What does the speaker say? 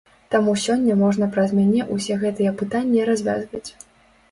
Таму сёння можна праз мяне ўсе гэтыя пытанні развязваць.